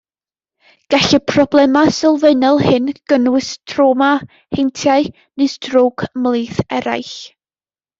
Gall y problemau sylfaenol hyn gynnwys trawma, heintiau, neu strôc ymhlith eraill.